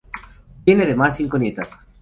Tiene además cinco nietas.